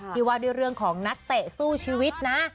ว่าด้วยเรื่องของนักเตะสู้ชีวิตนะ